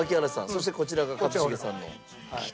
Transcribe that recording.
そしてこちらが一茂さんの。